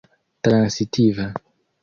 transitiva